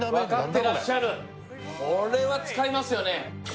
てらっしゃるこれは使いますよね